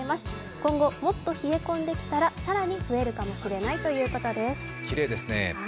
今後、もっと冷え込んできたら、更に増えるかもしれないということです。